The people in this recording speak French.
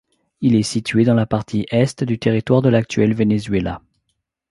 Il est situé dans la partie est du territoire de l'actuel Venezuela.